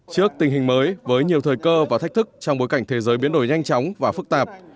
trước tình hình mới với nhiều thời cơ và thách thức trong bối cảnh thế giới biến đổi nhanh chóng và phức tạp